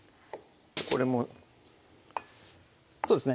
これもそうですね